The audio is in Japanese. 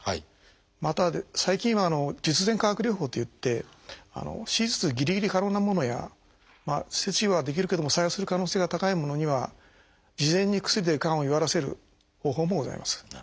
また最近は術前化学療法といって手術ぎりぎり可能なものや切除はできるけども再発する可能性が高いものには事前に薬でがんを弱らせる方法もございます。